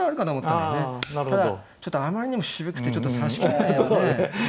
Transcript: ただちょっとあまりにも渋くてちょっと指しきれないよね。